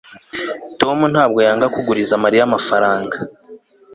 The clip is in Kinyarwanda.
tom ntabwo yanga kuguriza mariya amafaranga